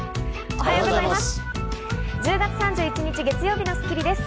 おはようございます。